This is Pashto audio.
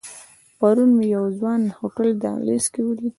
پرون مې یو ځوان د هوټل دهلیز کې ولید.